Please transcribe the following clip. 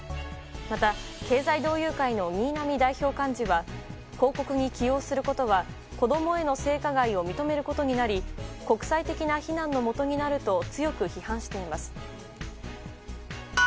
また、経済同友会の新浪代表幹事は、広告に起用することは、子どもへの性加害を認めることになり、国際的な非難のもとになると強く批判しています。